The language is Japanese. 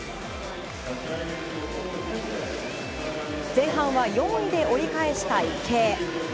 前半は４位で折り返した池江。